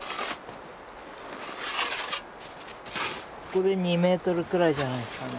ここで２ｍくらいじゃないですかね。